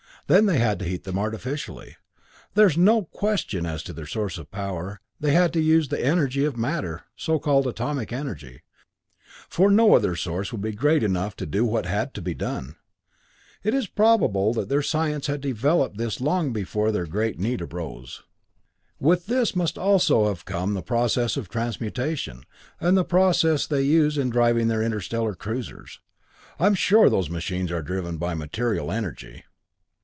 Then they had to heat them artificially. There is no question as to their source of power; they had to use the energy of matter so called atomic energy for no other source would be great enough to do what had to be done. It is probable that their science had developed this long before their great need arose. "With this must also have come the process of transmutation, and the process they use in driving their interstellar cruisers. I am sure those machines are driven by material energy.